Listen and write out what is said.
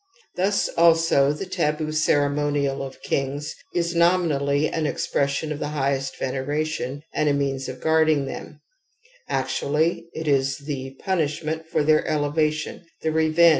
Thus also the taj^oocere^ monial of kings is nominally an expression of the highest veneration and a means of guarding them ; actually itjs the jmiislunenLior thgir \\ elevatiQn^hgjexeng.